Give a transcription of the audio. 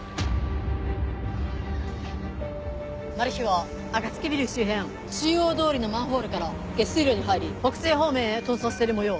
マルヒはあかつきビル周辺中央通りのマンホールから下水路に入り北西方面へ逃走してるもよう。